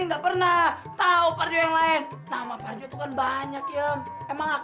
ya allah kang sakit banget